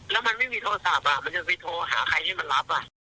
แล้วมันไม่มีโทรศัพท์มันจะไปโทรหาใครให้มันรับ